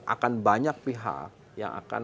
akan banyak pihak yang akan